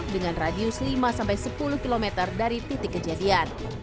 dengan radius lima sampai sepuluh km dari titik kejadian